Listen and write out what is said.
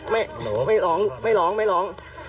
หนูไม่ร้องไม่ร้องไม่ร้อง